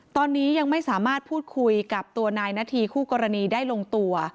ตอนนี้ยังไม่สามารถพูดคุยกับตัวนายนาธีคู่กรณีได้ลงตัว